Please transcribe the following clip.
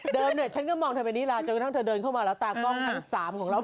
เดินหน่อยฉันก็มองเธอเหน็ตนี้แหละถ้าเธอเดินเข้ามาแล้วตามกล้องทาง๓ของเรา